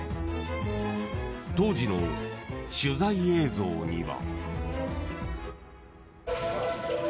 ［当時の取材映像には］